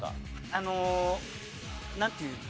あのなんていう？